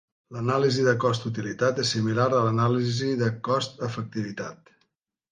L'anàlisi de cost-utilitat és similar a l'anàlisi de cost-efectivitat.